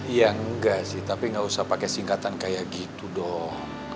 iya enggak sih tapi gak usah pakai singkatan kayak gitu dong